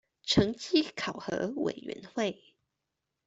成績考核委員會